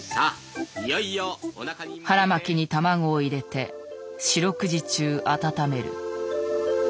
腹巻きに卵を入れて四六時中温める。